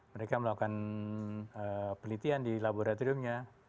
mereka melakukan penelitian di laboratoriumnya